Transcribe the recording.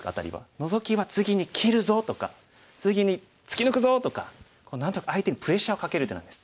ノゾキは「次に切るぞ」とか「次に突き抜くぞ」とかなんとか相手にプレッシャーをかける手なんです。